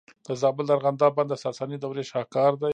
د زابل د ارغنداب بند د ساساني دورې شاهکار دی